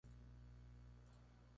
Nacido en la zona de Oxford.